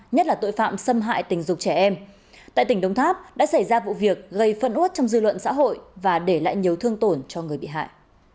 nhất là tội phạm xâm hại tình dục trẻ em tại tỉnh đồng tháp đã xảy ra vụ việc gây phân út trong dư luận xã hội và để lại nhiều thương tổn cho người bị hại